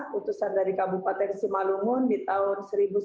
putusan dari kabupaten simalungun di tahun seribu sembilan ratus sembilan puluh